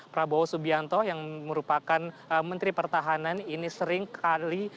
prabowo subianto yang merupakan menteri pertahanan ini seringkali